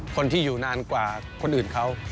คนที่อยู่นานกว่าคนอื่นเขา